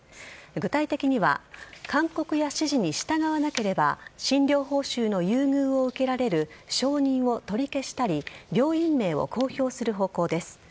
具体的には勧告や指示に従わなければ診療報酬の優遇を受けられる承認を取り消したり病院名を公表する方向です。